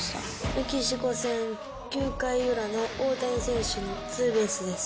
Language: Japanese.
メキシコ戦、９回裏の大谷選手のツーベースです。